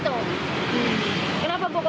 satu hari bisa berapa bungkus